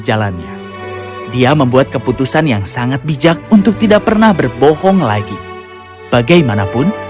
jalannya dia membuat keputusan yang sangat bijak untuk tidak pernah berbohong lagi bagaimanapun